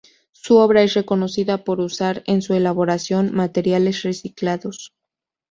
Su obra es reconocida por usar, en su elaboración, materiales reciclados.